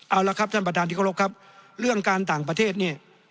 เอาละครับท่านประธานที่เคารพครับเรื่องการต่างประเทศเนี่ย